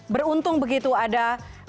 beruntung begitu ada